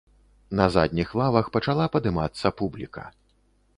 На задніх лавах пачала падымацца публіка.